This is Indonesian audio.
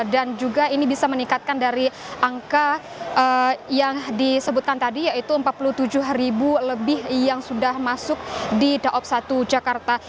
dan juga ini bisa meningkatkan dari angka yang disebutkan tadi yaitu empat puluh tujuh ribu lebih yang sudah masuk di daob satu jakarta